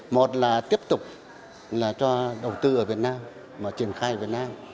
một là tiếp tục cho đầu tư ở việt nam triển khai ở việt nam